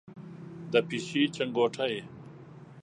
د پیشۍ چنګوټی،